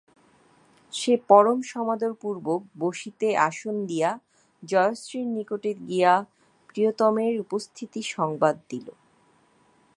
সে পরম সমাদরপূর্বক বসিতে আসন দিয়া জয়শ্রীর নিকটে গিয়া প্রিয়তমের উপস্থিতিসংবাদ দিল।